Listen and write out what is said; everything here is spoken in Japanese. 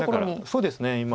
そうですね今。